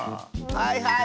はいはい！